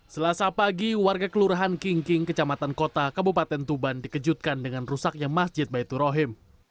selasa pagi warga kelurahan kingking kecamatan kota kabupaten tuban dikejutkan dengan rusaknya masjid baitur rohim